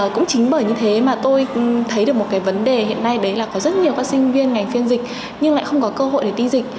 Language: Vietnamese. cũng chính bởi như thế mà tôi thấy được một cái vấn đề hiện nay đấy là có rất nhiều các sinh viên ngành phiên dịch nhưng lại không có cơ hội để đi dịch